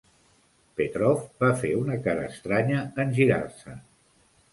Petrov va fer una cara estranya en girar-se.